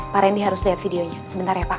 pak randy harus lihat videonya sebentar ya pak